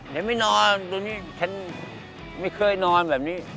เดี๋ยวไม่นอนตัวนี้ฉันไม่เคยนอนแบบนี้